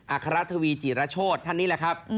อาคารทวีจิรโชธท่านนี้แหละครับ